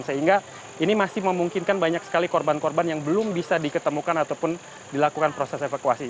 sehingga ini masih memungkinkan banyak sekali korban korban yang belum bisa diketemukan ataupun dilakukan proses evakuasi